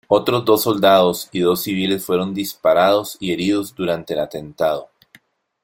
Otros dos soldados y dos civiles fueron disparados y heridos durante el atentado.